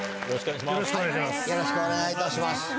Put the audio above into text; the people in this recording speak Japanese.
よろしくお願いします。